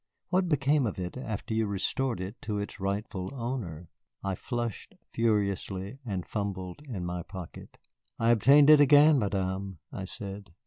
"What became of it after you restored it to its rightful owner?" I flushed furiously and fumbled in my pocket. "I obtained it again, Madame," I said.